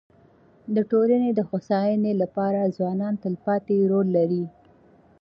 د ټولني د هوسايني لپاره ځوانان تلپاتي رول لري.